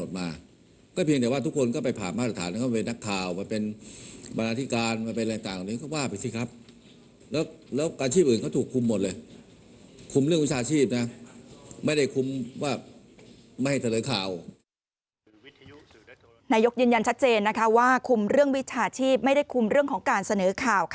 นายกยืนยันชัดเจนนะคะว่าคุมเรื่องวิชาชีพไม่ได้คุมเรื่องของการเสนอข่าว